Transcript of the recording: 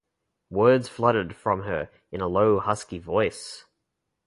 Words flooded from her in a low husky voice.